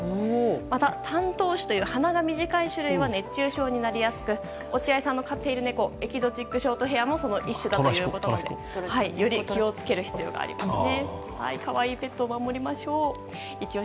また、短頭種という鼻が短い種類は熱中症になりやすく落合さんの飼っている猫エキゾチックショートヘアもその一種だということでより気を付ける必要がありますね。